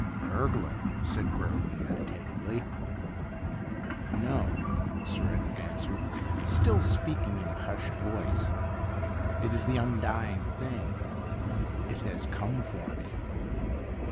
* Burglar,' said Guerdon medita tively. ' No,' Sir Edric answered, still speaking in a hushed voice. ' It is the Undying Thing — it has come for me.'